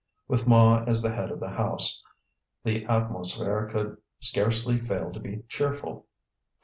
With Ma as the head of the house, the atmosphere could scarcely fail to be cheerful.